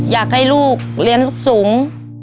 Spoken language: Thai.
อยากให้ลูกเรียนสูง